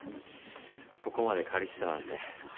ここまで借りてたなんて。